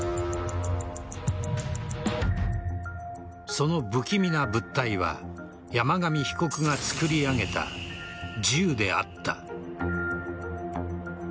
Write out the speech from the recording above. その不気味な物体は山上被告が作り上げた銃であった。